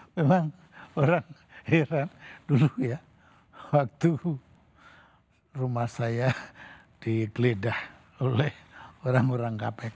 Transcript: memang orang heran dulu ya waktu rumah saya digeledah oleh orang orang kpk